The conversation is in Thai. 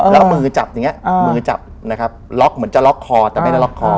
แล้วเอามือจับอย่างนี้มือจับนะครับล็อกเหมือนจะล็อกคอแต่ไม่ได้ล็อกคอ